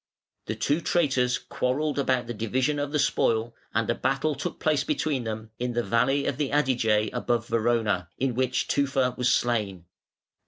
The two traitors quarrelled about the division of the spoil and a battle took place between them, in the valley of the Adige above Verona, in which Tufa was slain.